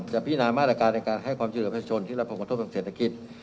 พินามาตรการในการให้ความช่วยเหลือประชาชนที่รับผลกระทบทางเศรษฐกิจ